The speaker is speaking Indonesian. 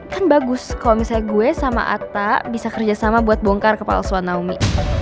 kan bagus kalo misalnya gue sama atta bisa kerjasama buat bongkar kepalsuan naomi